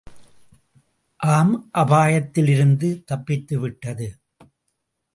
ஆம் அபாயத்திலிருந்து தப்பித்துவிட்டது!